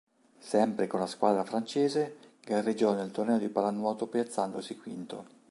Sempre con la squadra francese, gareggiò nel torneo di pallanuoto, piazzandosi quinto.